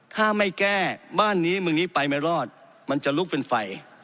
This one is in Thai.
ถ้าไม่แก้บ้านนี้เมืองนี้ไปไม่รอดมันจะลุกเป็นไฟ